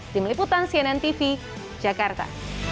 tim liputan cnn tv jakarta